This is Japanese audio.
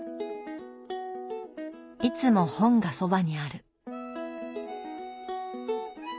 いつも本がそばにある。